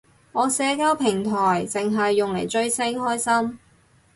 我社交平台剩係用嚟追星，開心